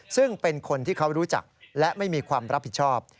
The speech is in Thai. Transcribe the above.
ซึ่งเป็นคนที่เขารู้จักและไม่มีความรับผิดชอบ